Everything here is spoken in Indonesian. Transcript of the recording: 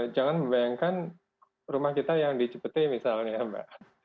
jangan membayangkan rumah kita yang di cepete misalnya mbak